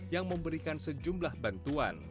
yang memberikan sejumlah bantuan